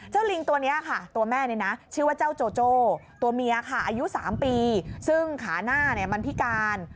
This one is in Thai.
เจ้าลิงตัวแม่ชื่อเจ้าโจโจตัวเมียอายุ๓ปีซึ่งขาหน้ามันพิการ